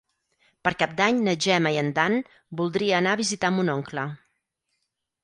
Per Cap d'Any na Gemma i en Dan voldria anar a visitar mon oncle.